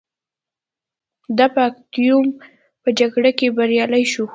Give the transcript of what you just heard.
دا په اکتیوم په جګړه کې بریالی شو